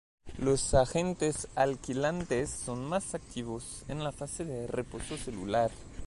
Los agentes alquilantes son más activos en la fase de reposo celular.